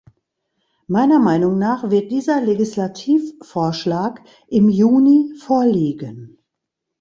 Meiner Meinung nach wird dieser Legislativvorschlag im Juni vorliegen.